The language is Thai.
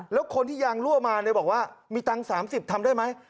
แล้วคนที่ยางรั่วมาบอกว่ามีตังค์๓๐ทำได้ไหม